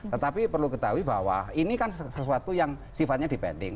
tetapi perlu ketahui bahwa ini kan sesuatu yang sifatnya depending